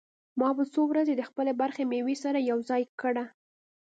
ما به څو ورځې د خپلې برخې مېوه سره يوځاى کړه.